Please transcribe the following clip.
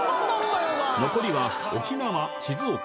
残りは沖縄静岡